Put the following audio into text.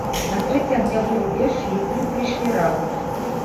На трэці агнявы рубеж лідэры прыйшлі разам.